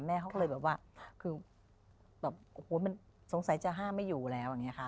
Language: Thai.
เขาก็เลยแบบว่าคือแบบโอ้โหมันสงสัยจะห้ามไม่อยู่แล้วอย่างนี้ค่ะ